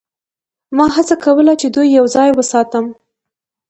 ما هڅه کوله چې دوی یوځای وساتم